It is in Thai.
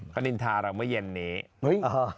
เขานินทาเราเมื่อเย็นนี้เฮ้ย